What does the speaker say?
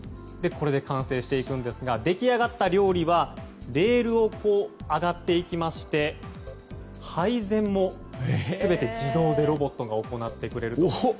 これで完成していくんですが出来上がった料理はレールを上がっていきまして配膳も全て自動でロボットが行ってくれると。